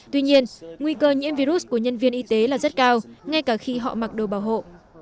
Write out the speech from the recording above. tuy nhiên nguy cơ nhiễm virus của nhân viên y tế là rất cao ngay cả khi họ mặc đồ bảo hộ